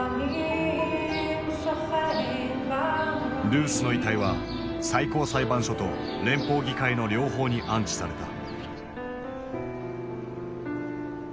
ルースの遺体は最高裁判所と連邦議会の両方に安置された。